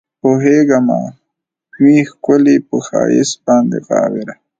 پوهېږمه وي ښکلي پۀ ښائست باندې غاوره